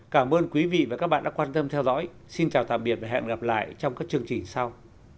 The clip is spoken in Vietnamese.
cảm ơn quý vị và các bạn đã quan tâm theo dõi xin chào tạm biệt và hẹn gặp lại trong các chương trình sau